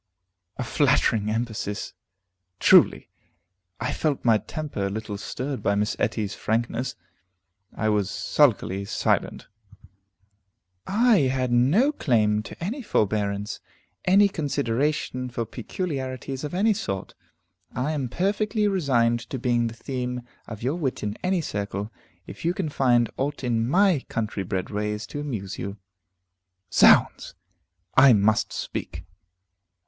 A flattering emphasis, truly! I felt my temper a little stirred by Miss Etty's frankness. I was sulkily silent. "I had no claim to any forbearance, any consideration for peculiarities of any sort. I am perfectly resigned to being the theme of your wit in any circle, if you can find aught in my country bred ways to amuse you." Zounds! I must speak.